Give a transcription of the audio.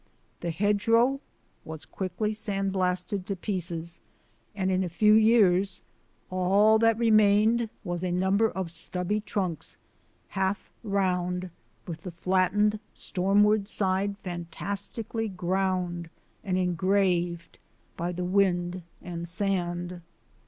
The hedgerow was quickly sandblasted to pieces, and in a few years all that remained was a number of stubby trunks, half round, with the flattened, stormward side fantastically ground and engraved by the wind and sand.